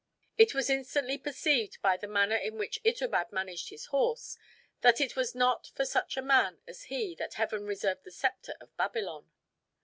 It was instantly perceived by the manner in which Itobad managed his horse, that it was not for such a man as he that Heaven reserved the scepter of Babylon.